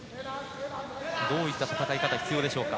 どういった戦い方が必要でしょうか。